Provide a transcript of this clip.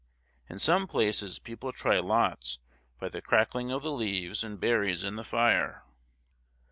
In some places people try lots by the crackling of the leaves and berries in the fire.